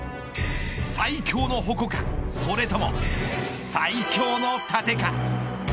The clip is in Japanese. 最強の矛かそれとも最強の盾か。